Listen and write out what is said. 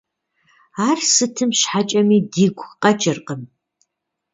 Ар сытым щхьэкӀэми дигу къэкӀыркъым.